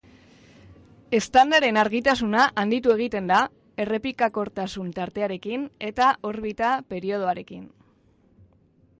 Eztandaren argitasuna handitu egiten da errepikakortasun tartearekin eta orbita periodoarekin.